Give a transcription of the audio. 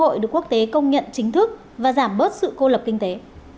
cơ hội được quốc tế công nhận chính thức và giảm bớt sự cô lập kinh tế